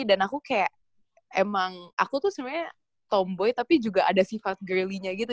dan aku kayak emang aku tuh sebenarnya tomboy tapi juga ada sifat girly nya gitu